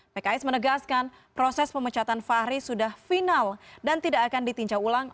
pks menegaskan proses pemecatan fahri sudah final dan tidak akan ditinjau ulang